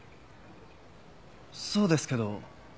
そうですけど。